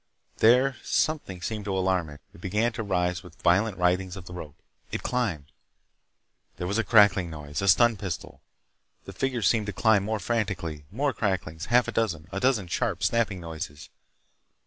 There something seemed to alarm it. It began to rise with violent writhings of the rope. It climbed— There was a crackling noise. A stun pistol. The figure seemed to climb more frantically. More cracklings. Half a dozen—a dozen sharp, snapping noises.